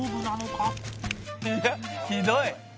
いやひどい。